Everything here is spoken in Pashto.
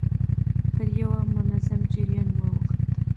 پر يوه منظم جريان واوښت.